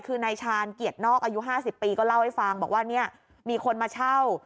คือนายชาญเกียรตินอกอายุ๕๐ปีก็เล่าให้ฟังบอกว่าเนี่ยมีคนมาเช่า